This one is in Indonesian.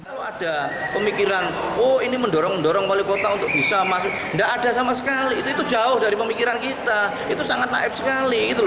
kalau ada pemikiran oh ini mendorong mendorong wali kota untuk bisa masuk tidak ada sama sekali itu jauh dari pemikiran kita itu sangat naif sekali